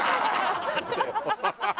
ハハハハ！